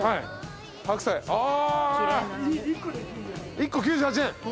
１個９８円。